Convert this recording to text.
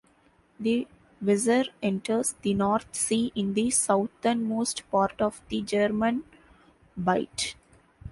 The Weser enters the North Sea in the southernmost part of the German Bight.